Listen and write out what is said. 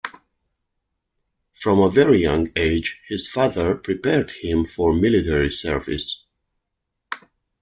From a very young age his father prepared him for military service.